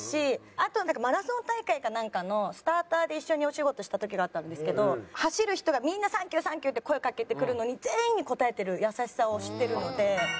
あとマラソン大会かなんかのスターターで一緒にお仕事した時があったんですけど走る人がみんな「サンキューサンキュー」って声かけてくるのに全員に応えてる優しさを知っているので。